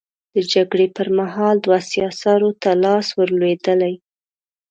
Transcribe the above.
د جګړې پر مهال دوو سياسرو ته لاس ور لوېدلی.